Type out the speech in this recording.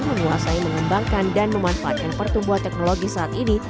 menguasai mengembangkan dan memanfaatkan pertumbuhan teknologi saat ini